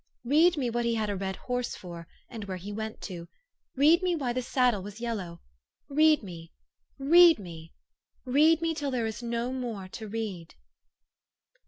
Read me what he had a red horse for, and where he went to ; read me why the saddle was yel low ; read me read me read me till there is no more to read."